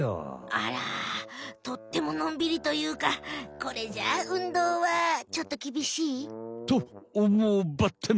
あらとってものんびりというかこれじゃ運動はちょっときびしい？とおもうばってん！